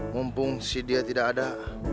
mumpung si dia tidak ada